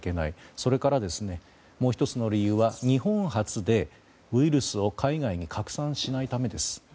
それから、もう１つの理由は日本発でウイルスを海外に拡散しないためです。